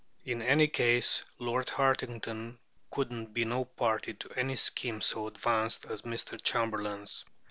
In any case, Lord Hartington could be no party to any scheme so advanced as Mr. Chamberlain's.